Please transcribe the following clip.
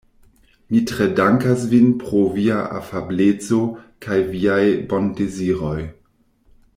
Mi tre dankas vin pro via afableco kaj viaj bondeziroj.